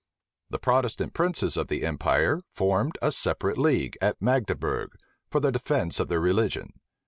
[*] The Protestant princes of the empire formed a separate league at Magdebourg for the defence of their religion.